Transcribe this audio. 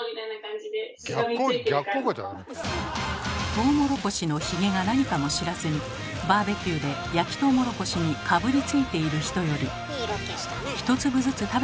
トウモロコシのヒゲが何かも知らずにバーベキューで焼きトウモロコシにかぶりついている人より１粒ずつ食べている人のほうが貯金が多い気がします。